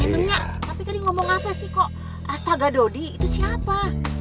senengnya tapi tadi ngomong apa sih kok astaga dodi itu siapa